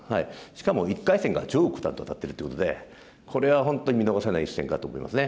しかも１回戦が張栩九段と当たってるということでこれは本当に見逃せない一戦かと思います。